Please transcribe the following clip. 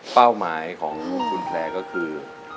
เป้าหมายของคุณแพลร์ก็คือ